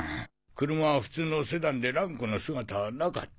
車は普通のセダンで蘭君の姿は無かった。